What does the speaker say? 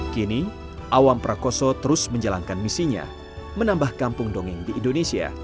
kini awam prakoso terus menjalankan misinya menambah kampung dongeng di indonesia